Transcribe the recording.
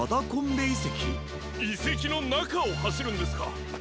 いせきのなかをはしるんですか！？